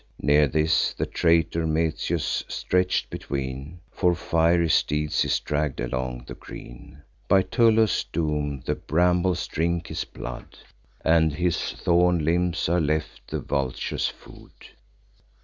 Near this, the traitor Metius, stretch'd between Four fiery steeds, is dragg'd along the green, By Tullus' doom: the brambles drink his blood, And his torn limbs are left the vulture's food.